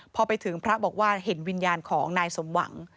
พอไปถึงพระบอกว่าเห็นวิญญาณของนายสมหวัง